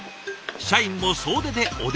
社員も総出でお出迎え。